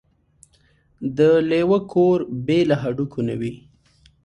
ـ د لېوه کور بې له هډوکو نه وي.